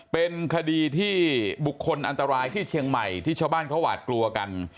เป็นคดีที่บุคคลอันตรายที่เชียงใหม่ที่ชาวบ้านเขาหวาดกลัวกัน